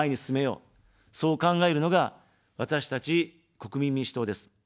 そう考えるのが、私たち国民民主党です。